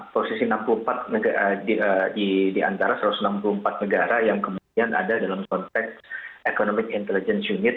posisi enam puluh empat negara di antara satu ratus enam puluh empat negara yang kemudian ada dalam konteks economic intelligence unit